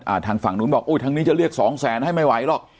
ทางฝั่งนู้นบอกอุ้ยทางนี้จะเรียกสองแสนให้ไม่ไหวหรอก